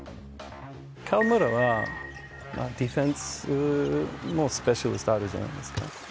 河村は、ディフェンスもスペシャルなものがあるじゃないですか。